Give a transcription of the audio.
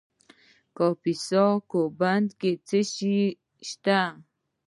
د کاپیسا په کوه بند کې څه شی شته؟